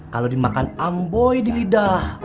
kalau dimakan amboi di lidah